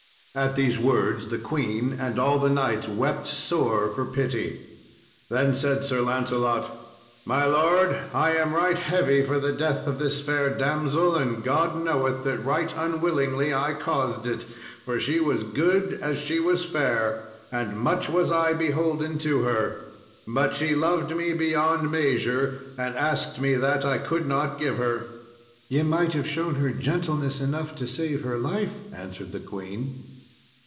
At these words the queen and all the knights wept sore for pity. Then said Sir Lancelot, "My lord, I am right heavy for the death of this fair damsel; and God knoweth that right unwillingly I caused it, for she was good as she was fair, and much was I beholden to her; but she loved me beyond measure, and asked me that I could not give her." "Ye might have shown her gentleness enough to save her life," answered the queen.